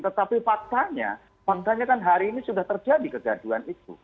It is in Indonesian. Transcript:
tetapi faktanya faktanya kan hari ini sudah terjadi kegaduan itu